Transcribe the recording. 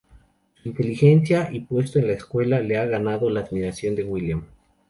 Su inteligencia y puesto en la escuela le han ganado la admiración de William.